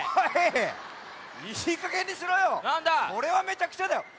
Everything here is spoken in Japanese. それはめちゃくちゃだよ！